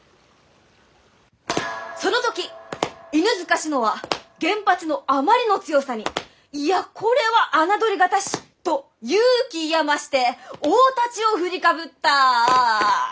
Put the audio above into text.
その時犬塚信乃は現八のあまりの強さに「いやこれは侮りがたし」と勇気いや増して大太刀を振りかぶった。